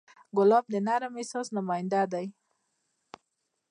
ګلاب د نرم احساس نماینده دی.